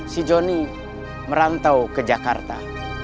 si joni merantau ke jakarta